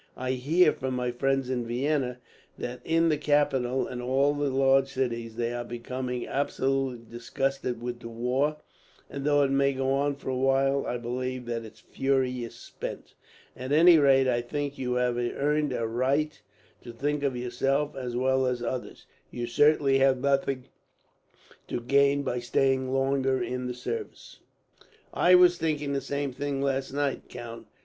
I hear, from my friends in Vienna, that in the capital and all the large cities they are becoming absolutely disgusted with the war; and though it may go on for a while, I believe that its fury is spent. "At any rate, I think you have earned a right to think of yourself, as well as others. You certainly have nothing to gain by staying longer in the service." "I was thinking the same, last night, count.